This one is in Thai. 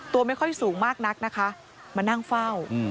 ไม่ค่อยสูงมากนักนะคะมานั่งเฝ้า